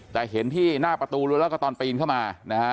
แต่เห็นที่หน้าประตูรั้วแล้วก็ตอนปีนเข้ามานะฮะ